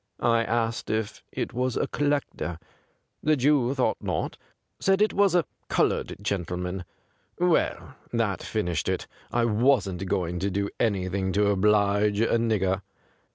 I asked if it was a collector. The Jew thought not ; said it was a coloured gentle man. Well, that finished it. I "wasn't going to do anything to 180 THE GRAY CAT oblige a nigger.